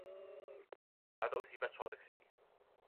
那倒是不錯的事